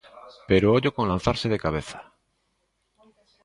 Pero ollo con lanzarse de cabeza.